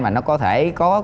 mà nó có thể có kinh doanh